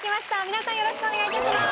皆さんよろしくお願い致します。